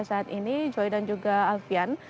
saat ini joy dan juga alfian